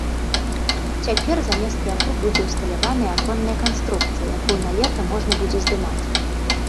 Цяпер замест яго будзе ўсталяваная аконная канструкцыя, якую на лета можна будзе здымаць.